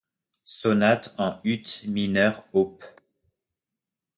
Sonate en ut mineur op.